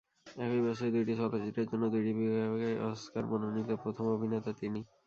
একই বছরে দুইটি চলচ্চিত্রের জন্য দুইটি বিভাগে অস্কার মনোনীত প্রথম অভিনেতা তিনি।